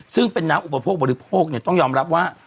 ซึ่งเป็นน้ำอุปโภคบริโภคต้องยอมรับว่า